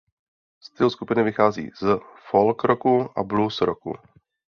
Styl skupiny vychází z folk rocku a blues rocku.